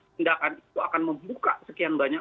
tindakan itu akan membuka sekian banyak